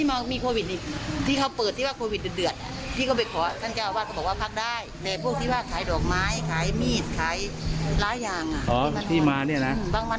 บางวันก็เต็มไม่มีที่นั่งเลยนะ